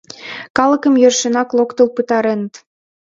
— Калыкым йӧршынак локтыл пытареныт.